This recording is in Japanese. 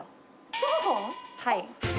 はい。